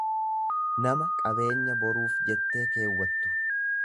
nama qabeenya boruuf jettee keewwattu.